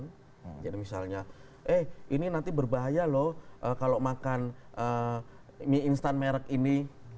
misalnya eh ini nanti berbahaya loh kalau makan mie instan merek ini